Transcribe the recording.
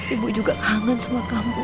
ibu juga kangen sama kamu